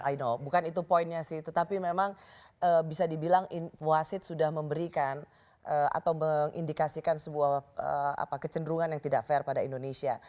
i know bukan itu poinnya sih tetapi memang bisa dibilang wasit sudah memberikan atau mengindikasikan sebuah kecenderungan yang tidak fair pada indonesia